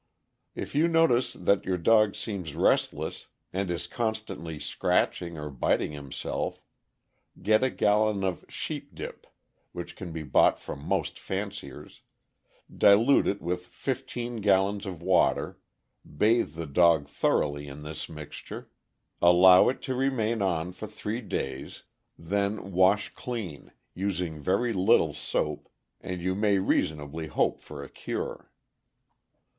If you notice that your dog seems restless and is con stantly scratching or biting himself, get a gallon of " sheep dip," which can be bought from most fanciers, dilute it with fifteen gallons of water, bathe the dog thoroughly in this mixture, allow it to remain on for three days, then 40 THE AMERICAN BOOK OF THE DOG. wash clean, using very little soap, and you may reasonably hope for a cure.